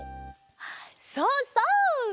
そうそう！